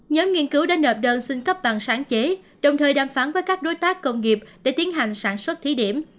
nhóm nghiên cứu đã nợp đơn xin cấp bằng sáng chế đồng thời đàm phán với các đối tác công nghiệp để tiến hành sản xuất thí điểm